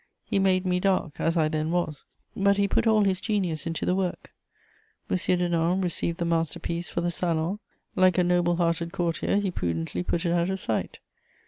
He made me dark, as I then was; but he put all his genius into the work. M. Denon received the master piece for the Salon; like a noble hearted courtier, he prudently put it out of sight.